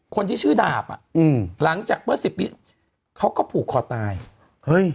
คนที่ชื่อดาบอ่ะอืมหลังจากเมื่อสิบปีเขาก็ผูกคอตายเฮ้ย